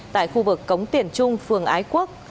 tại khu vực cống tiền trung phường ái quốc